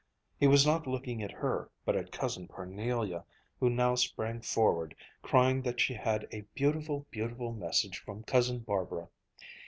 He was not looking at her, but at Cousin Parnelia, who now sprang forward, crying that she had had a beautiful, beautiful message from Cousin Barbara.